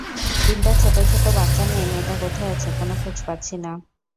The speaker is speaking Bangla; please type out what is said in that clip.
তিনটা ছোট ছোট বাচ্চা নিয়ে মেয়েটা কোথায় আছে, কোনো খোঁজ পাচ্ছি না।